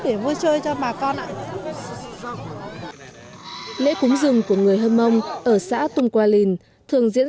để vui chơi cho bà con ạ lễ cúng rừng của người hơ mông ở xã tùng qua lình thường diễn